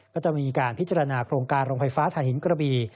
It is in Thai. ก็จะมีการพิจารณาโครงการโรงไฟฟ้าฐานหินกระบี